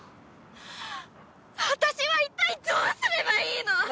私は一体どうすればいいの！？